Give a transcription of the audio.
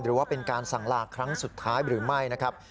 หรือว่าเป็นการสั่งลาครั้งสุดท้ายหรือไม่นะครับ